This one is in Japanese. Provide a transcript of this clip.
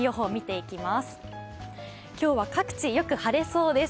今日は各地よく晴れそうです。